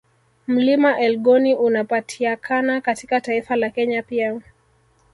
Mlima Elgoni unapatiakana katika taifa la Kenya pia